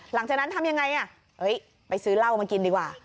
หลังจากนั้นทำยังไงไปซื้อเหล้ามากินดีกว่า